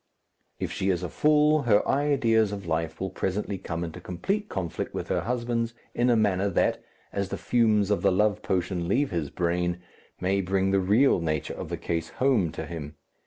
If she is a fool, her ideas of life will presently come into complete conflict with her husband's in a manner that, as the fumes of the love potion leave his brain, may bring the real nature of the case home to him.